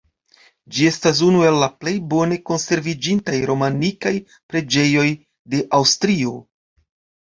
Ĝi estas unu el la plej bone konserviĝintaj romanikaj preĝejoj de Aŭstrio.